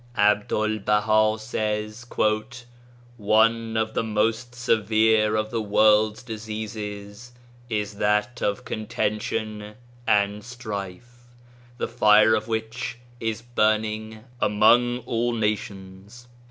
Abdul Baha says :" One of the most severe of the world's diseases is that of contention and strife, the fire of which is burning among all nations.